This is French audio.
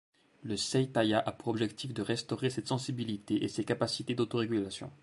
Le Seitai a pour objectif de restaurer cette sensibilité et ces capacités d'auto-régulation.